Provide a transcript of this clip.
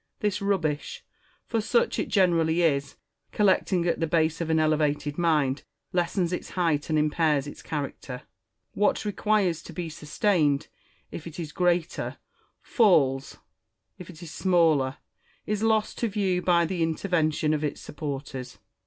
This rubbish, for such it generally is, collecting at the base of an elevated mind, lessens its height and impairs its character. What requires to be sustained, if it is greater, falls ; if it is smaller, is lost to view by the intervention of its supporters.